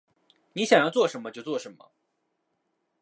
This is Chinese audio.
你想要做什么？就做什么